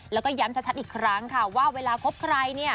แล้วก็ย้ำชัดอีกครั้งค่ะว่าเวลาคบใครเนี่ย